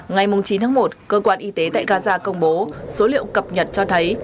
ngày chín tháng một cơ quan y tế tại gaza công bố số liệu cập nhật cho thấy